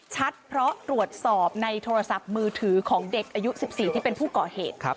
เพราะตรวจสอบในโทรศัพท์มือถือของเด็กอายุ๑๔ที่เป็นผู้ก่อเหตุ